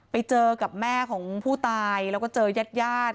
ไปเจอกับแม่ของผู้ตายแล้วก็เจอยาด